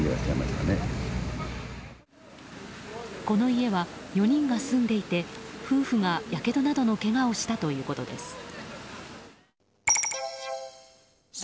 この家は４人が住んでいて夫婦がやけどなどのけがをしたということです。